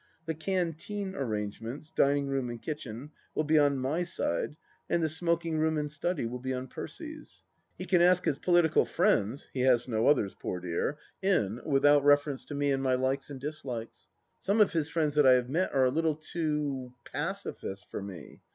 The canteen arrangements — dining room and kitchen — will be on my side and the smoking room and study will be on Percy's. He can ask his political friends — he has no others, poor dear 1 — in without reference to me and my likes and dislikes. Some of his friends that I have met are a little too — ^Pacifist for me